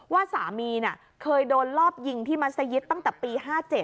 ว่าสามีเคยโดนลอบยิงที่มัศยิตตั้งแต่ปี๕๗